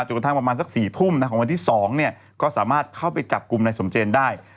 กระทั่งประมาณสัก๔ทุ่มของวันที่๒เนี่ยก็สามารถเข้าไปจับกลุ่มนายสมเจนได้